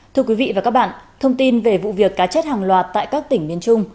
thưa quý vị và các bạn thông tin về vụ việc cá chết hàng loạt tại các tỉnh miền trung